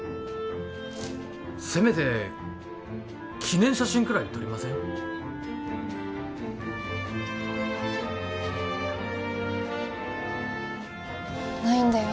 せめて記念写真くらい撮りません？